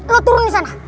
lo turun di sana